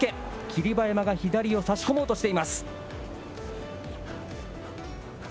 霧馬山が左を差し込もうとしています。